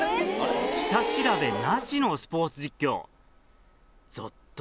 下調べなしのスポーツ実況。